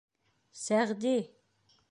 — Сәғди.